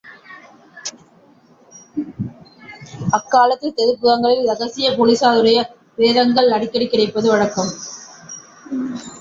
அக்காலத்தில் தெருப்புறங்களில் ரகசியப் போலிஸாருடைய பிரேதங்கள் அடிக்கடி கிடப்பது வழக்கம்.